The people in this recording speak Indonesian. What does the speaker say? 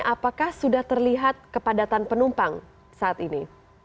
apakah sudah terlihat kepadatan penumpang saat ini